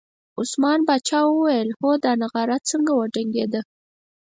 عثمان جان پاچا وویل هو دا نغاره څنګه وډنګېده.